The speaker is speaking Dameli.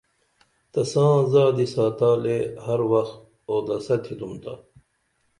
تساں زادی ساتالے ہر وخ آودسہ تِھنُم تا